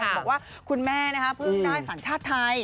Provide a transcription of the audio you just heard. บอกว่าคุณแม่เพิ่งได้สัญชาติไทย